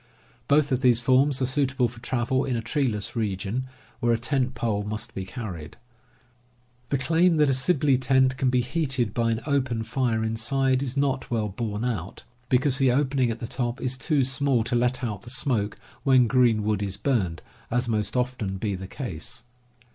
Both of these forms are suitable for travel in a treeless region where a tent pole must be carried. The claim that a Sibley tent can be heated by an open fire inside is not well borne out, because the opening at the top is too small to let out the smoke when green wood is burned, as must often be the case.